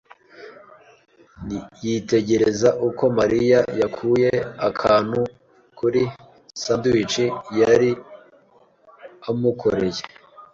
yitegereza uko Mariya yakuye akantu kuri sandwich yari amukoreye.